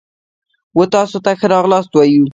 و تاسو ته ښه راغلاست وایو.